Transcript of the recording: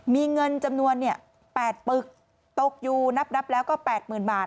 มีเงินจำนวน๘ปึกตกอยู่นับแล้วก็๘๐๐๐บาท